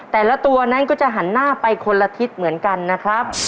แต่ละตัวนั้นก็จะหันหน้าไปคนละทิศเหมือนกันนะครับ